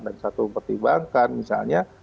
dan satu yang pertimbangkan misalnya